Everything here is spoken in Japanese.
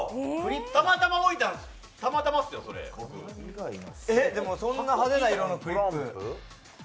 たまたま置いたたまたまですよえっ、でもそんな派手な色のクリップ